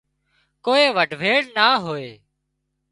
ڪوئي وڍويڙ نا هوئي